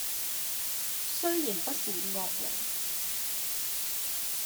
雖然不是惡人，